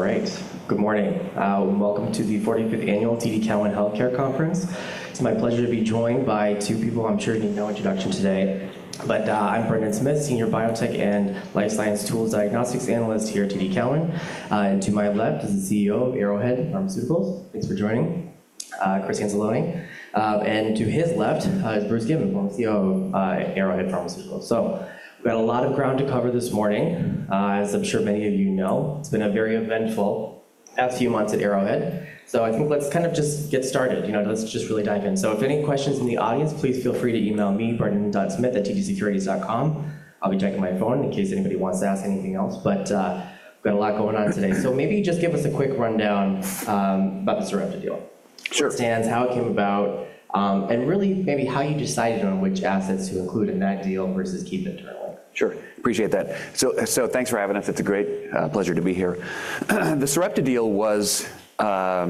All right. Good morning. Welcome to the 45th Annual TD Cowen Healthcare Conference. It's my pleasure to be joined by two people I'm sure need no introduction today, but I'm Brendan Smith, Senior Biotech and Life Science Tools Diagnostics Analyst here at TD Cowen. And to my left is the CEO of Arrowhead Pharmaceuticals. Thanks for joining, Chris Anzalone. And to his left is Bruce Given, COO of Arrowhead Pharmaceuticals, so we've got a lot of ground to cover this morning, as I'm sure many of you know. It's been a very eventful past few months at Arrowhead, so I think let's kind of just get started. Let's just really dive in, so if any questions in the audience, please feel free to email me, brendan.smith@tdsecurities.com. I'll be checking my phone in case anybody wants to ask anything else, but we've got a lot going on today. Maybe just give us a quick rundown about the Sarepta deal. Sure. What it stands, how it came about, and really maybe how you decided on which assets to include in that deal versus keep internally? Sure. Appreciate that. So thanks for having us. It's a great pleasure to be here. The Sarepta deal was, I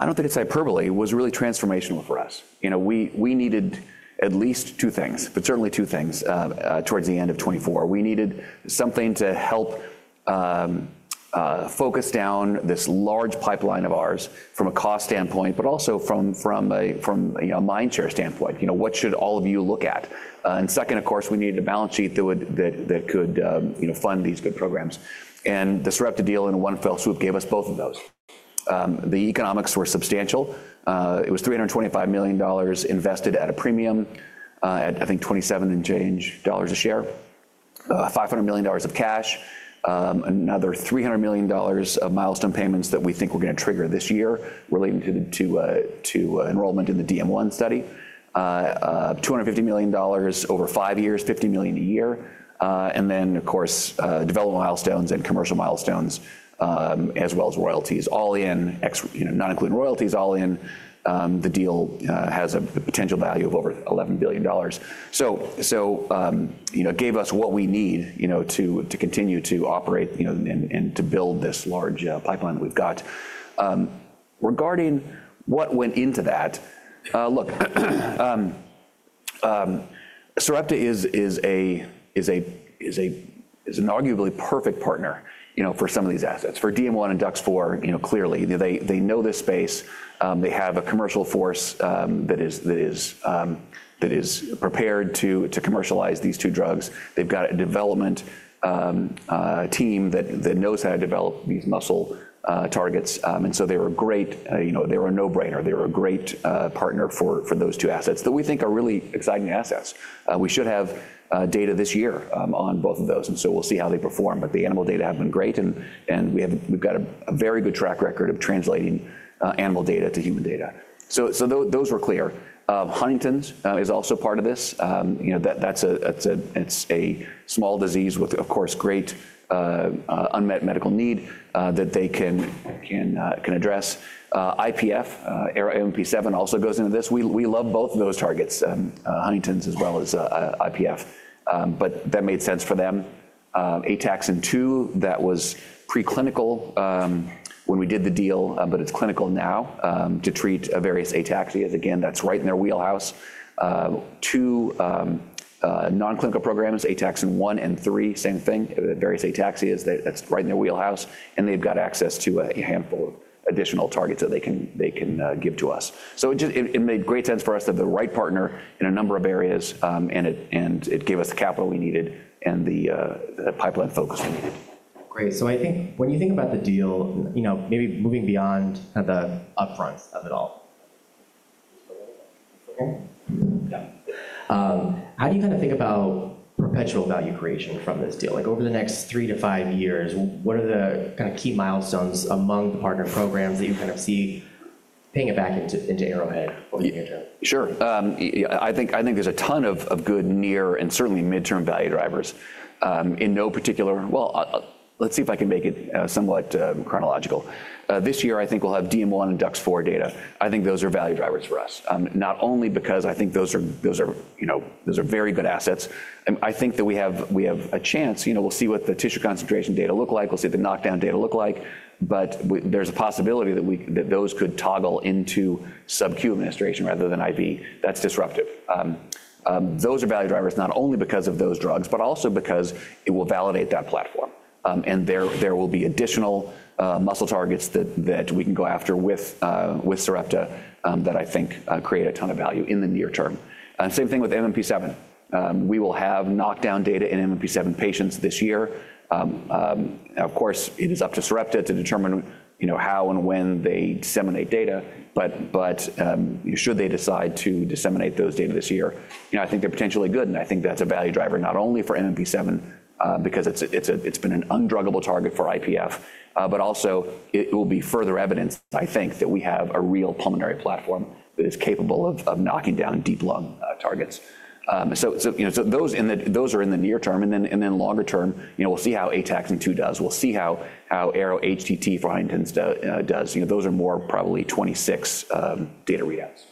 don't think it's hyperbole, was really transformational for us. We needed at least two things, but certainly two things towards the end of 2024. We needed something to help focus down this large pipeline of ours from a cost standpoint, but also from a mind share standpoint. What should all of you look at? And second, of course, we needed a balance sheet that could fund these good programs. And the Sarepta deal, in one fell swoop, gave us both of those. The economics were substantial. It was $325 million invested at a premium at, I think, $27 and change a share, $500 million of cash, another $300 million of milestone payments that we think we're going to trigger this year relating to enrollment in the DM1 study, $250 million over five years, $50 million a year, and then, of course, development milestones and commercial milestones, as well as royalties, all in, not including royalties, all in. The deal has a potential value of over $11 billion, so it gave us what we need to continue to operate and to build this large pipeline that we've got. Regarding what went into that, look, Sarepta is an arguably perfect partner for some of these assets, for DM1 and DUX4, clearly. They know this space. They have a commercial force that is prepared to commercialize these two drugs. They've got a development team that knows how to develop these muscle targets. And so they were great. They were a no-brainer. They were a great partner for those two assets that we think are really exciting assets. We should have data this year on both of those. And so we'll see how they perform. But the animal data have been great. And we've got a very good track record of translating animal data to human data. So those were clear. Huntington's is also part of this. That's a small disease with, of course, great unmet medical need that they can address. IPF, ARO-MMP7, also goes into this. We love both of those targets, Huntington's as well as IPF. But that made sense for them. ARO-ATXN2, that was preclinical when we did the deal, but it's clinical now to treat various ataxia. Again, that's right in their wheelhouse. Two nonclinical programs, Ataxin-1 and Ataxin-3, same thing, various ataxia. That's right in their wheelhouse. And they've got access to a handful of additional targets that they can give to us. So it made great sense for us to have the right partner in a number of areas. And it gave us the capital we needed and the pipeline focus we needed. Great. So I think when you think about the deal, maybe moving beyond the upfront of it all, how do you kind of think about perpetual value creation from this deal? Over the next three to five years, what are the kind of key milestones among the partner programs that you kind of see paying it back into Arrowhead? Sure. I think there's a ton of good near and certainly midterm value drivers. In no particular, well, let's see if I can make it somewhat chronological. This year, I think we'll have DM1 and DUX4 data. I think those are value drivers for us, not only because I think those are very good assets. I think that we have a chance. We'll see what the tissue concentration data look like. We'll see what the knockdown data look like. But there's a possibility that those could toggle into subQ administration rather than IV. That's disruptive. Those are value drivers not only because of those drugs, but also because it will validate that platform. There will be additional muscle targets that we can go after with Sarepta that I think create a ton of value in the near term. Same thing with MMP7. We will have knockdown data in MMP7 patients this year. Of course, it is up to Sarepta to determine how and when they disseminate data, but should they decide to disseminate those data this year, I think they're potentially good, and I think that's a value driver not only for MMP7, because it's been an undruggable target for IPF, but also it will be further evidence, I think, that we have a real pulmonary platform that is capable of knocking down deep lung targets, so those are in the near term, and then longer term, we'll see how Ataxin-2 does. We'll see how ARO-HTT for Huntington's does. Those are more probably 2026 data readouts.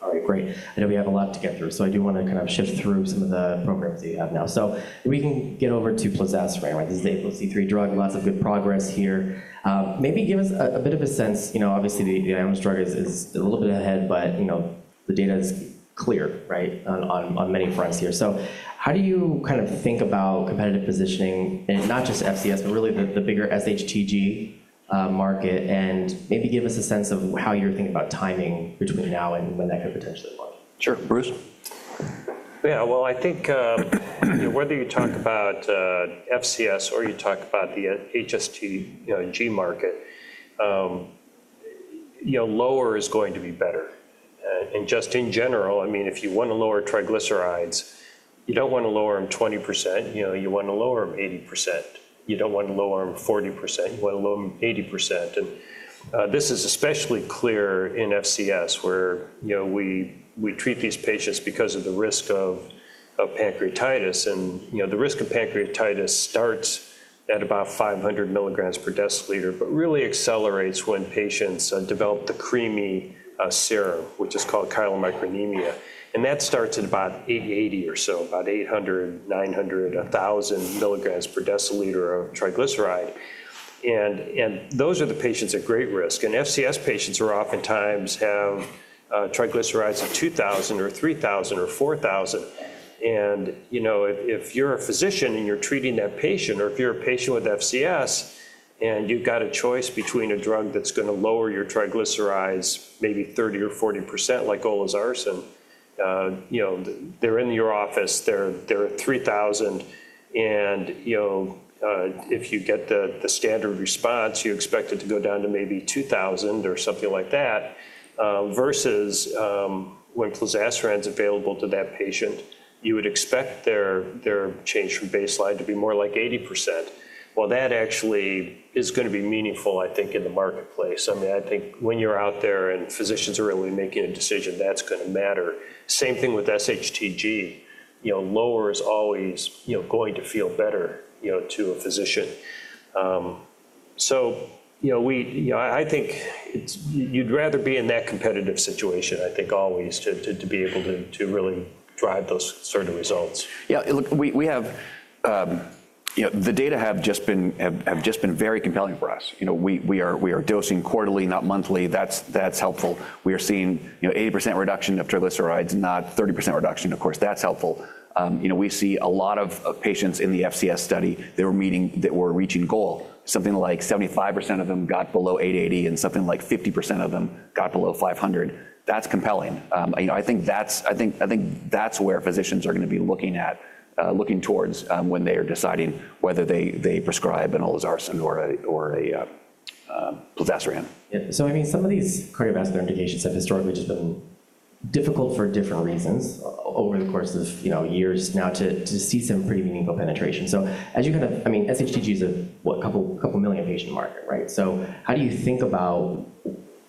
All right. Great. I know we have a lot to get through. So I do want to kind of shift through some of the programs that you have now. So we can get over to plozasiran. This is the APOC3 drug. Lots of good progress here. Maybe give us a bit of a sense. Obviously, the Ionis drug is a little bit ahead, but the data is clear on many fronts here. So how do you kind of think about competitive positioning, not just FCS, but really the bigger SHTG market? And maybe give us a sense of how you're thinking about timing between now and when that could potentially look. Sure. Bruce. Yeah. Well, I think whether you talk about FCS or you talk about the SHTG market, lower is going to be better. And just in general, I mean, if you want to lower triglycerides, you don't want to lower them 20%. You want to lower them 80%. You don't want to lower them 40%. You want to lower them 80%. And this is especially clear in FCS, where we treat these patients because of the risk of pancreatitis. And the risk of pancreatitis starts at about 500 milligrams per deciliter, but really accelerates when patients develop the creamy serum, which is called chylomicronemia. And that starts at about 880 or so, about 800, 900, 1,000 milligrams per deciliter of triglyceride. And those are the patients at great risk. And FCS patients are oftentimes have triglycerides of 2,000 or 3,000 or 4,000. If you're a physician and you're treating that patient, or if you're a patient with FCS and you've got a choice between a drug that's going to lower your triglycerides maybe 30% or 40%, like olezarsen, they're in your office, they're at 3,000. If you get the standard response, you expect it to go down to maybe 2,000 or something like that. Versus when plozasiran is available to that patient, you would expect their change from baseline to be more like 80%. That actually is going to be meaningful, I think, in the marketplace. I mean, I think when you're out there and physicians are really making a decision, that's going to matter. Same thing with SHTG. Lower is always going to feel better to a physician. So I think you'd rather be in that competitive situation, I think, always to be able to really drive those sort of results. Yeah. Look, the data have just been very compelling for us. We are dosing quarterly, not monthly. That's helpful. We are seeing 80% reduction of triglycerides, not 30% reduction. Of course, that's helpful. We see a lot of patients in the FCS study that were reaching goal. Something like 75% of them got below 880, and something like 50% of them got below 500. That's compelling. I think that's where physicians are going to be looking towards when they are deciding whether they prescribe an olezarsen or a plozasiran. Yeah. So I mean, some of these cardiovascular indications have historically just been difficult for different reasons over the course of years now to see some pretty meaningful penetration. So as you kind of, I mean, SHTG is a couple million patient market, right? So how do you think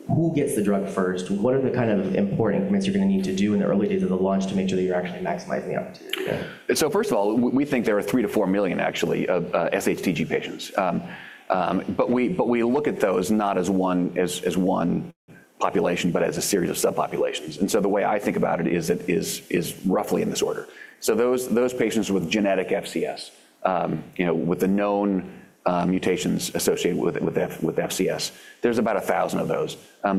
about who gets the drug first? What are the kind of important increments you're going to need to do in the early days of the launch to make sure that you're actually maximizing the opportunity? So first of all, we think there are three to four million, actually, of SHTG patients. But we look at those not as one population, but as a series of subpopulations. And so the way I think about it is roughly in this order. So those patients with genetic FCS, with the known mutations associated with FCS, there's about 1,000 of those.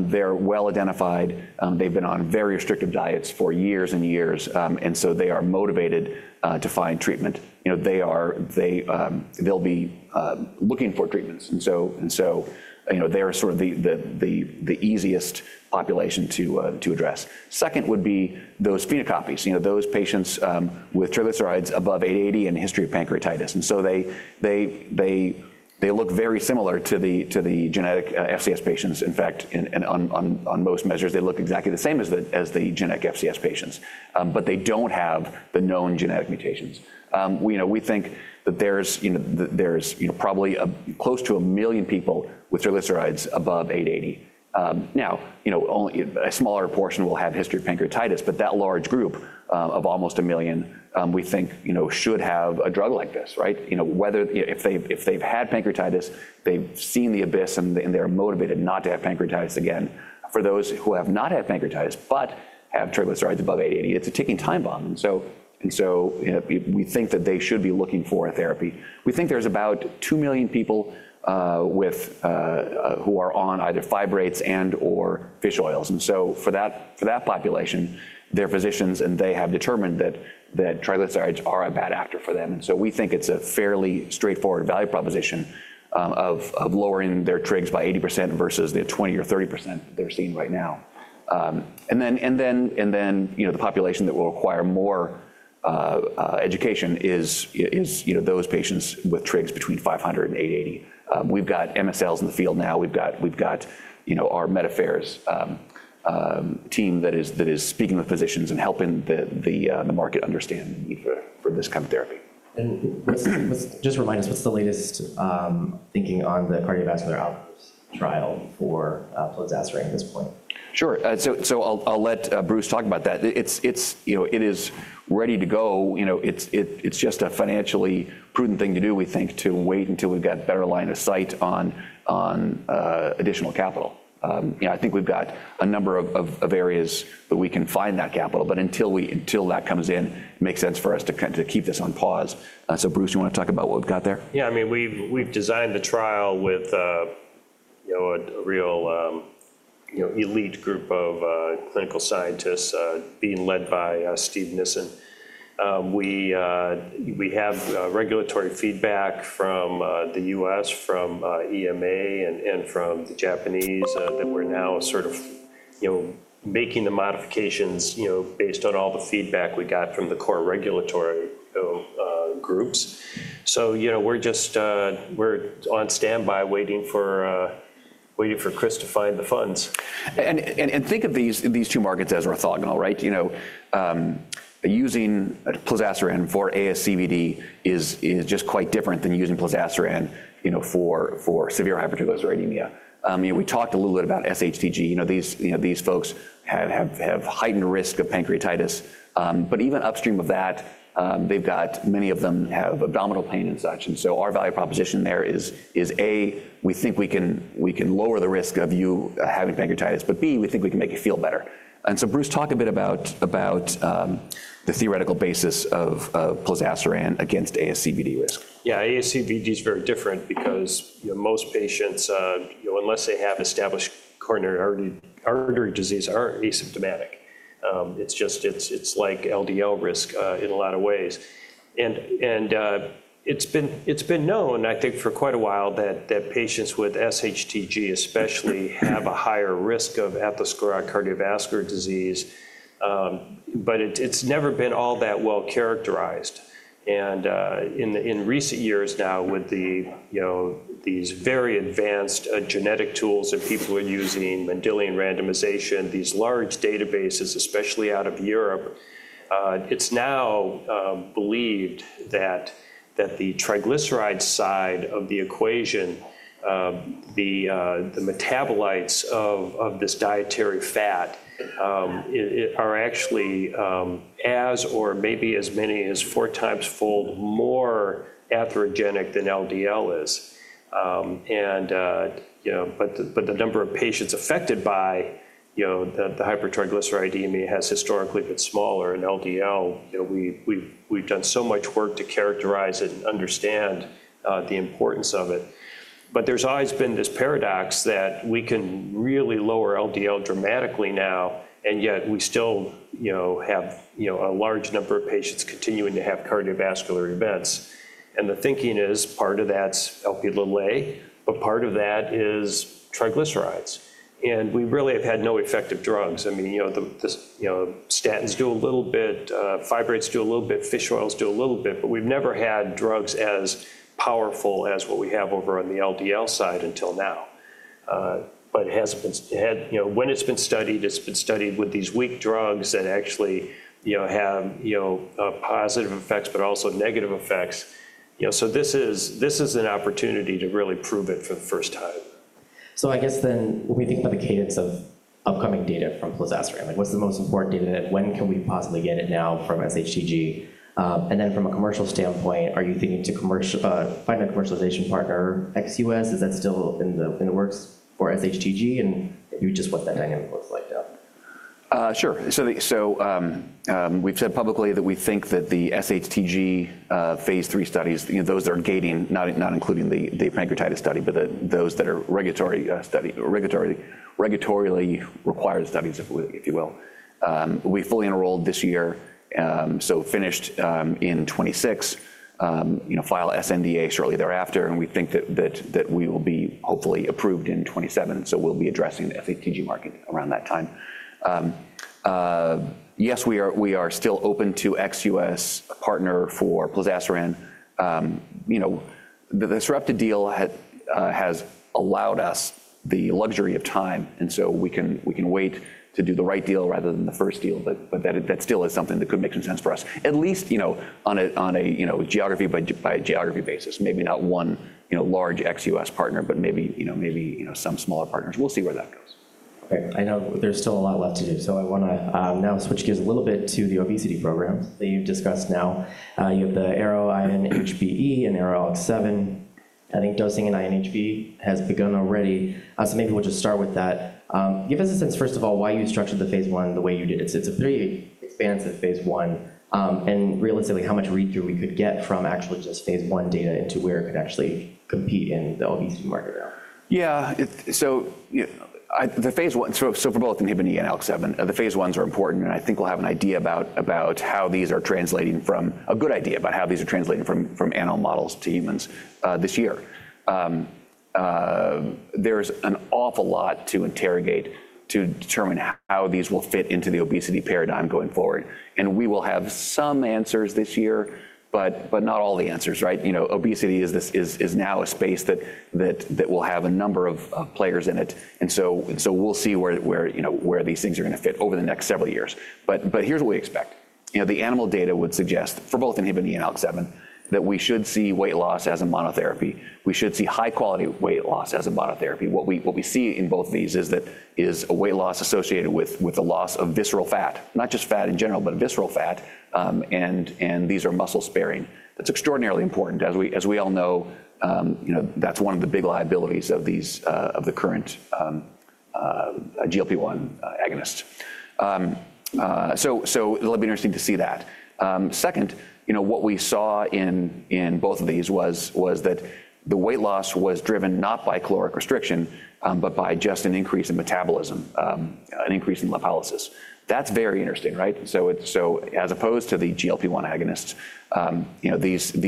They're well identified. They've been on very restrictive diets for years and years. And so they are motivated to find treatment. They'll be looking for treatments. And so they're sort of the easiest population to address. Second would be those phenocopies, those patients with triglycerides above 880 and a history of pancreatitis. And so they look very similar to the genetic FCS patients. In fact, on most measures, they look exactly the same as the genetic FCS patients. But they don't have the known genetic mutations. We think that there's probably close to a million people with triglycerides above 880. Now, a smaller portion will have a history of pancreatitis. But that large group of almost a million, we think should have a drug like this, right? If they've had pancreatitis, they've seen the abyss, and they're motivated not to have pancreatitis again. For those who have not had pancreatitis but have triglycerides above 880, it's a ticking time bomb. And so we think that they should be looking for a therapy. We think there's about two million people who are on either fibrates and/or fish oils. And so for that population, they're physicians, and they have determined that triglycerides are a bad actor for them. And so we think it's a fairly straightforward value proposition of lowering their trigs by 80% versus the 20% or 30% that they're seeing right now. Then the population that will require more education is those patients with trigs between 500 and 880. We've got MSLs in the field now. We've got our Med Affairs team that is speaking with physicians and helping the market understand the need for this kind of therapy. Just remind us, what's the latest thinking on the cardiovascular outcomes trial for plozasiran at this point? Sure. So I'll let Bruce talk about that. It is ready to go. It's just a financially prudent thing to do, we think, to wait until we've got better line of sight on additional capital. I think we've got a number of areas that we can find that capital. But until that comes in, it makes sense for us to kind of keep this on pause. So Bruce, do you want to talk about what we've got there? Yeah. I mean, we've designed the trial with a real elite group of clinical scientists being led by Steve Nissen. We have regulatory feedback from the U.S., from EMA, and from the Japanese that we're now sort of making the modifications based on all the feedback we got from the core regulatory groups. So we're on standby waiting for Chris to find the funds. And think of these two markets as orthogonal, right? Using plozasiran for ASCVD is just quite different than using plozasiran for severe hypertriglyceridemia. We talked a little bit about SHTG. These folks have heightened risk of pancreatitis. But even upstream of that, many of them have abdominal pain and such. And so our value proposition there is, A, we think we can lower the risk of you having pancreatitis. But B, we think we can make you feel better. And so Bruce, talk a bit about the theoretical basis of plozasiran against ASCVD risk. Yeah. ASCVD is very different because most patients, unless they have established coronary artery disease, are asymptomatic. It's like LDL risk in a lot of ways. And it's been known, I think, for quite a while that patients with SHTG especially have a higher risk of atherosclerotic cardiovascular disease. But it's never been all that well characterized. And in recent years now, with these very advanced genetic tools that people are using, Mendelian randomization, these large databases, especially out of Europe, it's now believed that the triglyceride side of the equation, the metabolites of this dietary fat, are actually as or maybe as many as four times fold more atherogenic than LDL is. But the number of patients affected by the hypertriglyceridemia has historically been smaller in LDL. We've done so much work to characterize it and understand the importance of it. But there's always been this paradox that we can really lower LDL dramatically now, and yet we still have a large number of patients continuing to have cardiovascular events. And the thinking is part of that's Lp(a), but part of that is triglycerides. And we really have had no effective drugs. I mean, statins do a little bit, fibrates do a little bit, fish oils do a little bit. But we've never had drugs as powerful as what we have over on the LDL side until now. But when it's been studied, it's been studied with these weak drugs that actually have positive effects but also negative effects. So this is an opportunity to really prove it for the first time. I guess then when we think about the cadence of upcoming data from plozasiran, what's the most important data? When can we possibly get it now from SHTG? And then from a commercial standpoint, are you thinking to find a commercialization partner ex-U.S.? Is that still in the works for SHTG? And just what that dynamic looks like now? Sure. So we've said publicly that we think that the SHTG phase III studies, those that are gating not including the pancreatitis study, but those that are regulatorily required studies, if you will. We fully enrolled this year, so finished in 2026, file sNDA shortly thereafter, and we think that we will be hopefully approved in 2027. So we'll be addressing the SHTG market around that time. Yes, we are still open to ex-US, a partner for plozasiran. The disruptive deal has allowed us the luxury of time, and so we can wait to do the right deal rather than the first deal, but that still is something that could make some sense for us, at least on a geography by geography basis. Maybe not one large ex-US partner, but maybe some smaller partners. We'll see where that goes. Okay. I know there's still a lot left to do. So I want to now switch gears a little bit to the obesity programs that you've discussed now. You have the ARO-INHBE and ARO-ALK7. I think dosing in ARO-INHBE has begun already. So maybe we'll just start with that. Give us a sense, first of all, why you structured the phase I the way you did. It's a pretty expansive phase I. And realistically, how much read-through we could get from actually just phase I data into where it could actually compete in the obesity market now. Yeah. So for both INHBE and ALK7, the phase I are important. And I think we'll have an idea about how these are translating from animal models to humans this year. There's an awful lot to interrogate to determine how these will fit into the obesity paradigm going forward. And we will have some answers this year, but not all the answers, right? Obesity is now a space that will have a number of players in it. And so we'll see where these things are going to fit over the next several years. But here's what we expect. The animal data would suggest, for both INHBE and ALK7, that we should see weight loss as a monotherapy. We should see high-quality weight loss as a monotherapy. What we see in both of these is a weight loss associated with the loss of visceral fat, not just fat in general, but visceral fat, and these are muscle sparing. That's extraordinarily important. As we all know, that's one of the big liabilities of the current GLP-1 agonist, so it'll be interesting to see that. Second, what we saw in both of these was that the weight loss was driven not by caloric restriction, but by just an increase in metabolism, an increase in lipolysis. That's very interesting, right, so as opposed to the GLP-1 agonists,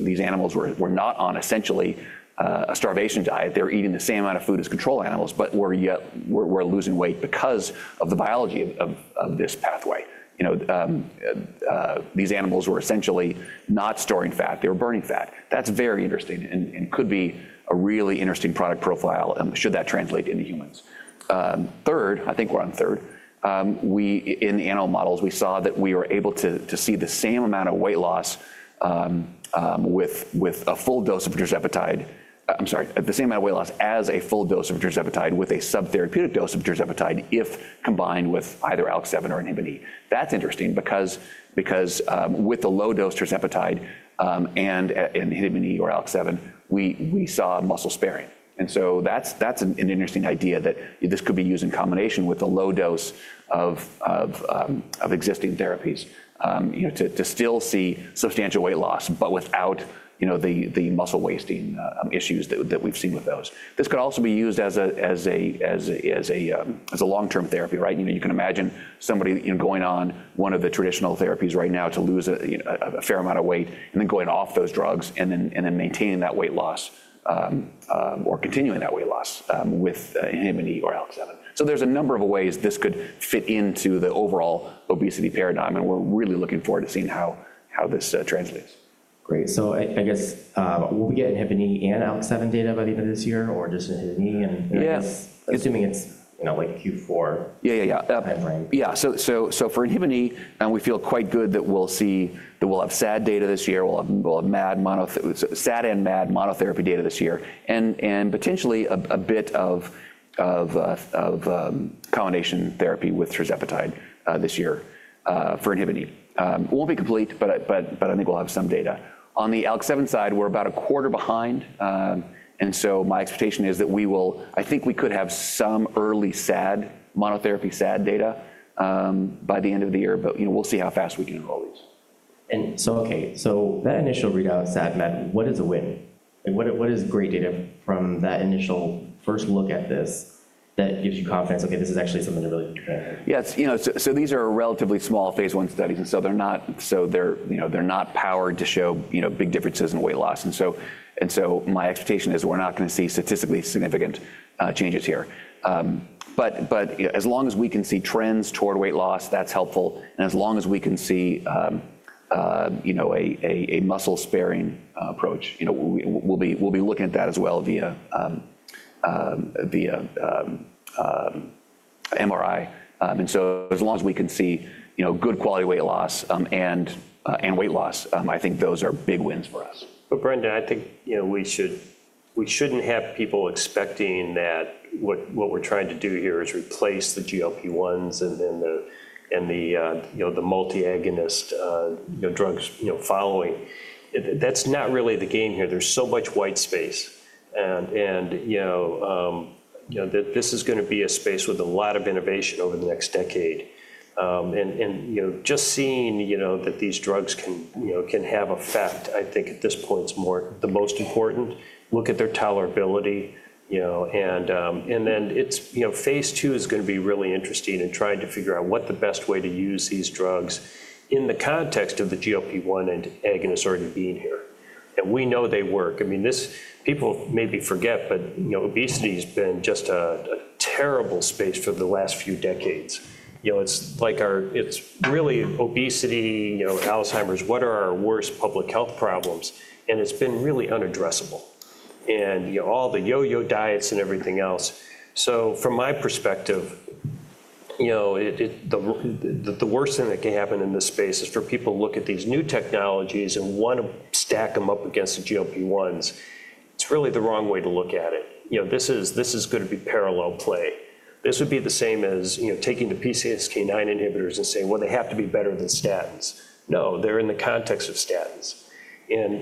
these animals were not on essentially a starvation diet. They're eating the same amount of food as control animals, but we're losing weight because of the biology of this pathway. These animals were essentially not storing fat. They were burning fat. That's very interesting and could be a really interesting product profile should that translate into humans. Third, I think we're on third. In animal models, we saw that we were able to see the same amount of weight loss with a full dose of tirzepatide. I'm sorry, the same amount of weight loss as a full dose of tirzepatide with a subtherapeutic dose of tirzepatide if combined with either ALK7 or INHBE. That's interesting because with a low dose tirzepatide and INHBE or ALK7, we saw muscle sparing. And so that's an interesting idea that this could be used in combination with a low dose of existing therapies to still see substantial weight loss, but without the muscle wasting issues that we've seen with those. This could also be used as a long-term therapy, right? You can imagine somebody going on one of the traditional therapies right now to lose a fair amount of weight and then going off those drugs and then maintaining that weight loss or continuing that weight loss with INHBE or ALK7. So there's a number of ways this could fit into the overall obesity paradigm, and we're really looking forward to seeing how this translates. Great. So, I guess, will we get INHBE and ALK7 data by the end of this year or just INHBE? Yes. Assuming it's like Q4 timeframe. Yeah. So for INHBE, we feel quite good that we'll have SAD data this year. We'll have SAD and MAD monotherapy data this year. And potentially a bit of combination therapy with tirzepatide this year for INHBE. It won't be complete, but I think we'll have some data. On the ALK7 side, we're about a quarter behind. And so my expectation is that we will, I think we could have some early SAD monotherapy data by the end of the year. But we'll see how fast we can enroll these. That initial readout of SAD, MAD, what is a win? What is great data from that initial first look at this that gives you confidence? Okay, this is actually something that really could translate. Yeah. So these are relatively small phase I studies. And so they're not powered to show big differences in weight loss. And so my expectation is we're not going to see statistically significant changes here. But as long as we can see trends toward weight loss, that's helpful. And as long as we can see a muscle sparing approach, we'll be looking at that as well via MRI. And so as long as we can see good quality weight loss and weight loss, I think those are big wins for us. Brendan, I think we shouldn't have people expecting that what we're trying to do here is replace the GLP-1s and the multi-agonist drugs following. That's not really the game here. There's so much white space. This is going to be a space with a lot of innovation over the next decade. Just seeing that these drugs can have effect, I think at this point, is the most important. Look at their tolerability. Phase II is going to be really interesting in trying to figure out what the best way to use these drugs is in the context of the GLP-1 and agonists already being here. We know they work. I mean, people maybe forget, but obesity has been just a terrible space for the last few decades. It's really obesity, Alzheimer's. What are our worst public health problems? It's been really unaddressable. And all the yo-yo diets and everything else. So from my perspective, the worst thing that can happen in this space is for people to look at these new technologies and want to stack them up against the GLP-1s. It's really the wrong way to look at it. This is going to be parallel play. This would be the same as taking the PCSK9 inhibitors and saying, well, they have to be better than statins. No, they're in the context of statins. And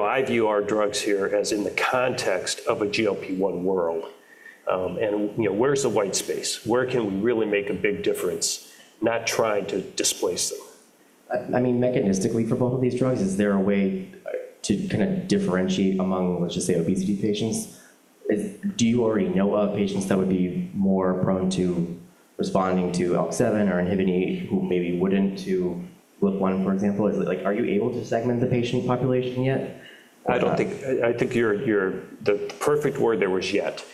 I view our drugs here as in the context of a GLP-1 world. And where's the white space? Where can we really make a big difference, not trying to displace them? I mean, mechanistically for both of these drugs, is there a way to kind of differentiate among, let's just say, obesity patients? Do you already know of patients that would be more prone to responding to ALK7 or INHBE who maybe wouldn't to GLP-1, for example? Are you able to segment the patient population yet? I don't think the perfect word there was yet.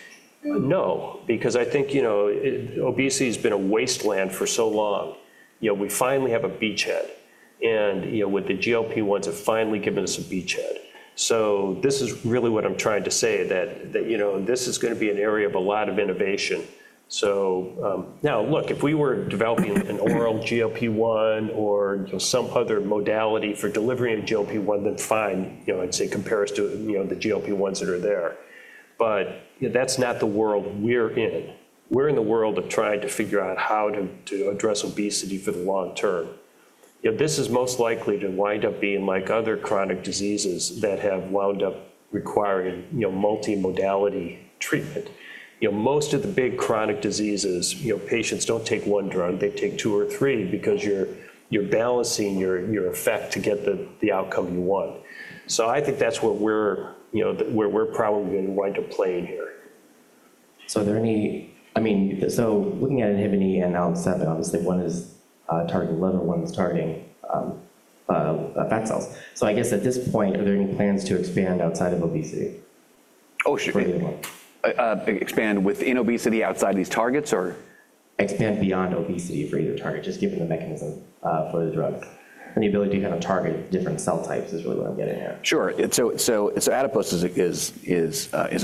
No. Because I think obesity has been a wasteland for so long. We finally have a beachhead, and with the GLP-1s, it's finally given us a beachhead, so this is really what I'm trying to say, that this is going to be an area of a lot of innovation, so now, look, if we were developing an oral GLP-1 or some other modality for delivery of GLP-1, then fine, I'd say compare us to the GLP-1s that are there, but that's not the world we're in. We're in the world of trying to figure out how to address obesity for the long term. This is most likely to wind up being like other chronic diseases that have wound up requiring multi-modality treatment. Most of the big chronic diseases, patients don't take one drug. They take two or three because you're balancing your effect to get the outcome you want. So I think that's where we're probably going to wind up playing here. So are there any, I mean, so looking at INHBE and ALK7, obviously one is targeting liver and one is targeting fat cells. So I guess at this point, are there any plans to expand outside of obesity? Oh, shoot. Expand within obesity outside of these targets or? Expand beyond obesity for either target, just given the mechanism for the drugs. And the ability to kind of target different cell types is really what I'm getting at. Sure. So adipose is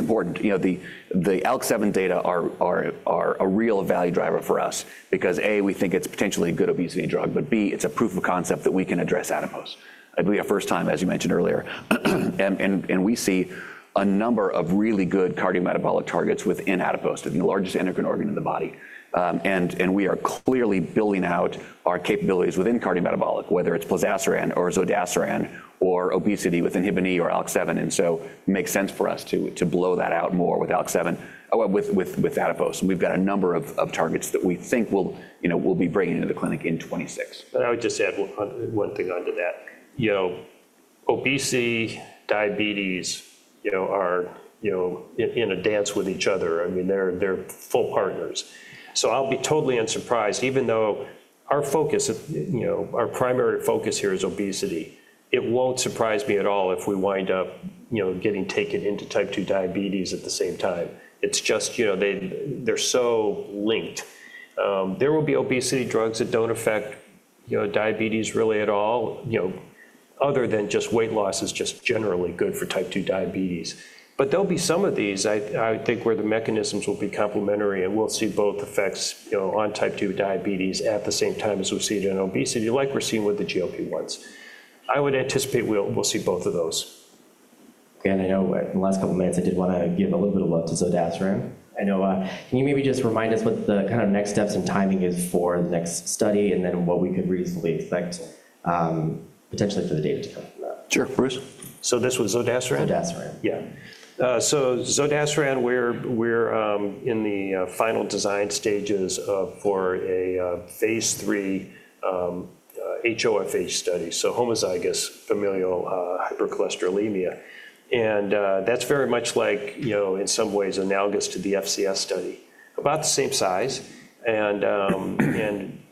important. The ALK7 data are a real value driver for us because, A, we think it's potentially a good obesity drug, but, B, it's a proof of concept that we can address adipose. I believe our first time, as you mentioned earlier. And we see a number of really good cardiometabolic targets within adipose, the largest endocrine organ in the body. And we are clearly building out our capabilities within cardiometabolic, whether it's plozasiran or zodasiran or obesity with INHBE or ALK7. And so it makes sense for us to blow that out more with adipose. And we've got a number of targets that we think we'll be bringing into the clinic in 2026. And I would just add one thing onto that. Obesity, diabetes are in a dance with each other. I mean, they're full partners. So I'll be totally unsurprised. Even though our focus, our primary focus here is obesity, it won't surprise me at all if we wind up getting taken into type 2 diabetes at the same time. It's just they're so linked. There will be obesity drugs that don't affect diabetes really at all, other than just weight loss is just generally good for type 2 diabetes. But there'll be some of these, I think, where the mechanisms will be complementary. And we'll see both effects on type 2 diabetes at the same time as we see it in obesity, like we're seeing with the GLP-1s. I would anticipate we'll see both of those. I know in the last couple of minutes, I did want to give a little bit of love to zodasiran. I know. Can you maybe just remind us what the kind of next steps and timing is for the next study and then what we could reasonably expect potentially for the data to come from that? Sure. Bruce? This was zodasiran. Zodasiran. Yeah. So zodasiran, we're in the final design stages for a phase III HoFH study. So homozygous familial hypercholesterolemia. And that's very much like, in some ways, analogous to the FCS study. About the same size. And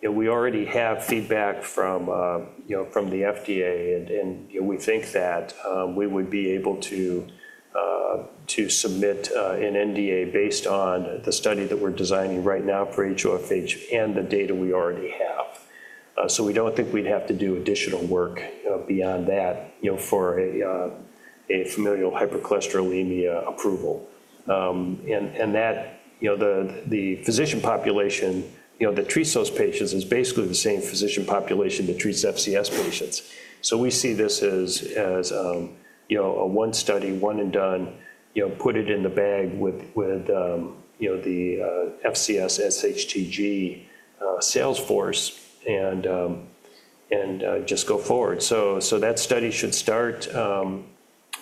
we already have feedback from the FDA. And we think that we would be able to submit an NDA based on the study that we're designing right now for HoFH and the data we already have. So we don't think we'd have to do additional work beyond that for a familial hypercholesterolemia approval. And the physician population that treats those patients is basically the same physician population that treats FCS patients. So we see this as a one study, one and done, put it in the bag with the FCS SHTG sales force and just go forward. So that study should start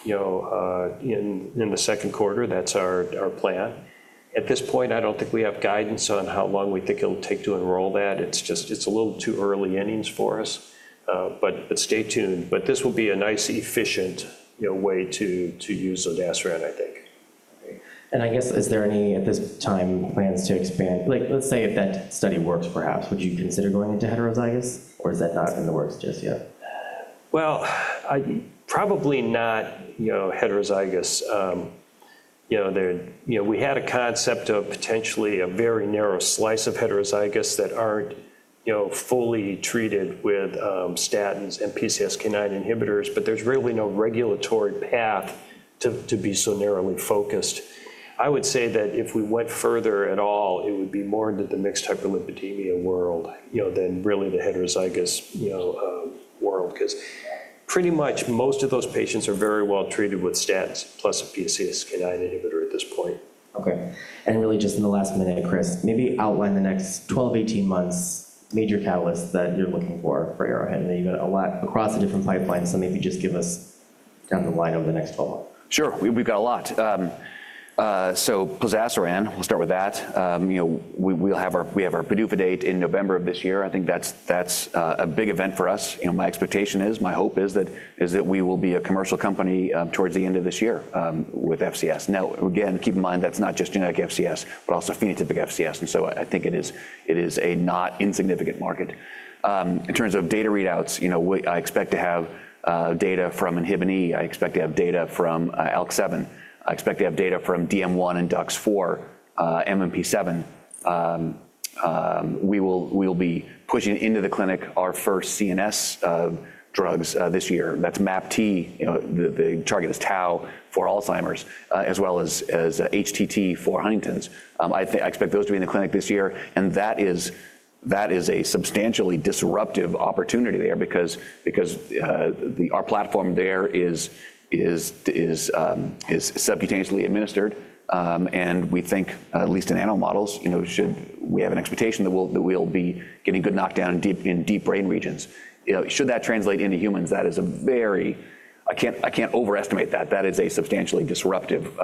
in the second quarter. That's our plan. At this point, I don't think we have guidance on how long we think it'll take to enroll that. It's a little too early innings for us. But stay tuned. But this will be a nice efficient way to use zodasiran, I think. I guess, is there any at this time plans to expand? Let's say if that study works, perhaps, would you consider going into heterozygous? Or is that not in the works just yet? Probably not heterozygous. We had a concept of potentially a very narrow slice of heterozygous that aren't fully treated with statins and PCSK9 inhibitors, but there's really no regulatory path to be so narrowly focused. I would say that if we went further at all, it would be more into the mixed hyperlipidemia world than really the heterozygous world. Because pretty much most of those patients are very well treated with statins plus a PCSK9 inhibitor at this point. Okay. And really just in the last minute, Chris, maybe outline the next 12, 18 months' major catalysts that you're looking for Arrowhead, and even a lot across the different pipelines. So maybe just give us down the line over the next 12 months. Sure. We've got a lot. So plozasiran, we'll start with that. We'll have our PDUFA date in November of this year. I think that's a big event for us. My expectation is, my hope is that we will be a commercial company towards the end of this year with FCS. Now, again, keep in mind that's not just genetic FCS, but also phenotypic FCS. And so I think it is a not insignificant market. In terms of data readouts, I expect to have data from INHBE. I expect to have data from ALK7. I expect to have data from DM1 and DUX4, MMP7. We will be pushing into the clinic our first CNS drugs this year. That's MAPT. The target is Tau for Alzheimer's, as well as HTT for Huntington's. I expect those to be in the clinic this year. And that is a substantially disruptive opportunity there because our platform there is subcutaneously administered. And we think, at least in animal models, we have an expectation that we'll be getting good knockdown in deep brain regions. Should that translate into humans, that is very. I can't overestimate that. That is a substantially disruptive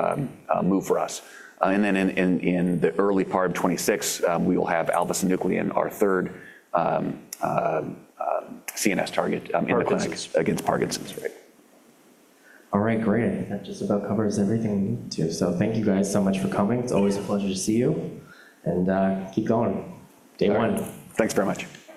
move for us. And then in the early part of 2026, we will have alpha-synuclein, our third CNS target in the clinic against Parkinson's. All right. Great. I think that just about covers everything we need to. So thank you guys so much for coming. It's always a pleasure to see you. And keep going. Day one. Thanks very much.